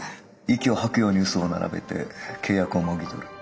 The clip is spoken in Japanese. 息を吐くように嘘を並べて契約をもぎ取る。